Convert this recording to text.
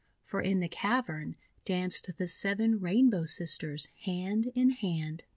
For in the cavern danced the Seven Rainbow Sisters, hand in hand.